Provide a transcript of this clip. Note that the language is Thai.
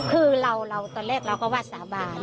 คือเราตอนแรกเราก็ว่าสาบาน